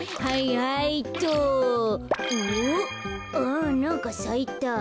あなんかさいた。